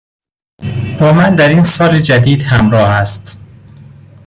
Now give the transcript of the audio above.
با من در این سال جدید همراه است.